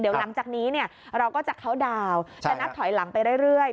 เดี๋ยวหลังจากนี้เราก็จะเข้าดาวน์จะนับถอยหลังไปเรื่อย